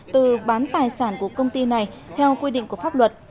từ bán tài sản của công ty này theo quy định của pháp luật